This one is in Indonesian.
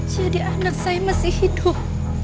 jadi anak saya masih hidup